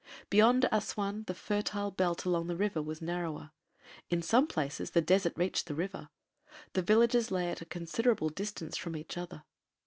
Beyond Assuan the fertile belt along the river was narrower. In some places the desert reached the river; the villages lay at a considerable distance from each other.